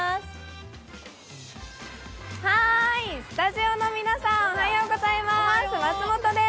スタジオの皆さんおはようございます。